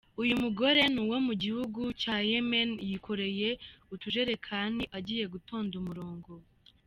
Uyu mugore ni uwo mu gihugu cya Yemen, yikoreye utujerekaniagiye gutonda umurongo.